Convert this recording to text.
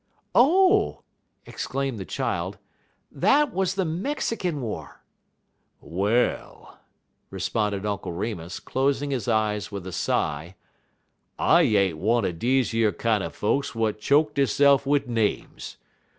"Oh!" exclaimed the child, "that was the Mexican war." "Well," responded Uncle Remus, closing his eyes with a sigh, "I ain't one er deze yer kinder folks w'at choke deyse'f wid names.